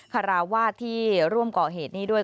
คาราวาสที่ร่วมก่อเหตุนี้ด้วย